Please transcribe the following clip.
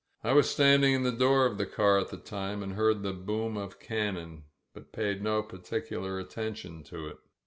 I was standing in the door of the car at the time and heard the boom of cannon, but paid no par ticular attention to it.